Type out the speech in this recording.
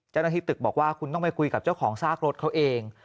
เจ้าหน้าที่ตึกบอกว่าคุณต้องไปคุยกับเจ้าของซากรถเขาเอง